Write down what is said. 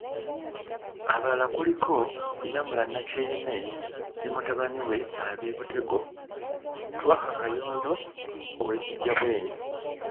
Abalala kuliko, Lamulah Nakyeyune ne mutabaniwe ab'e Butego, Twaha Kayondo ow'e Kijjabwemi.